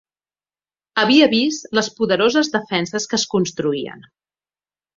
Havia vist les poderoses defenses que es construïen